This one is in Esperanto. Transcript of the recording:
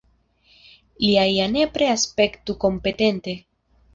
Li ja nepre aspektu kompetente.